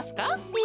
え？